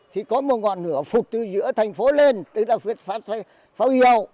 thì có một ngọn lửa phục từ giữa thành phố lên tức là phát pháo yêu